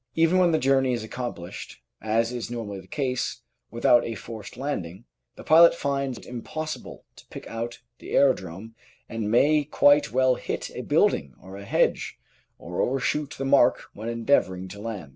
Even when the journey is accomplished, as is normally the case, without a forced landing, the pilot finds it impossible to pick out the aerodrome and may quite well hit a building or a hedge or over shoot the mark when endeavouring to land.